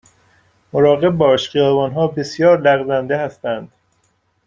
مراقب باش، خیابان ها بسیار لغزنده هستند.